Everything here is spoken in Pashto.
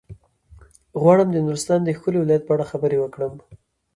غواړم د نورستان د ښکلي ولايت په اړه خبرې وکړم.